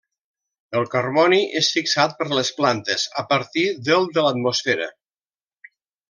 El carboni és fixat per les plantes a partir del de l'atmosfera.